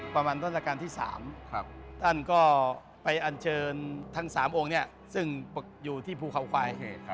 ประมาณต้นรายการที่๓ท่านก็ไปอันเชิญทั้ง๓องค์ซึ่งอยู่ที่ภูเขาควายเหตุ